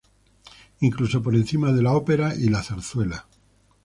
Incluso por encima de la ópera y la zarzuela.